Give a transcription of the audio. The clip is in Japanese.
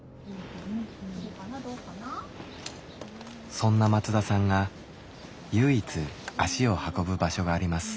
そんな松田さんが唯一足を運ぶ場所があります。